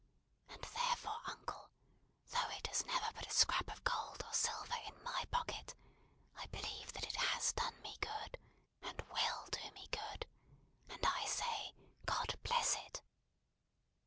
And therefore, uncle, though it has never put a scrap of gold or silver in my pocket, I believe that it has done me good, and will do me good; and I say, God bless it!"